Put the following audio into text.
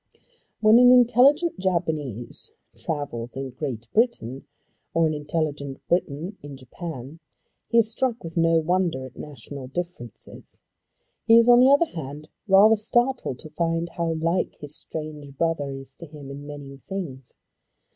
When an intelligent Japanese travels in Great Britain or an intelligent Briton in Japan, he is struck with no wonder at national differences. He is on the other hand rather startled to find how like his strange brother is to him in many things.